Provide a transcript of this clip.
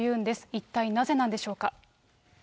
一体なぜなんでしょうか。